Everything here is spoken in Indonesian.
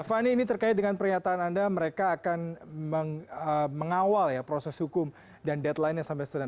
fani ini terkait dengan pernyataan anda mereka akan mengawal ya proses hukum dan deadline yang sampai sekarang